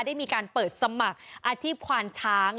ได้มีการเปิดสมัครอาชีพควานช้าง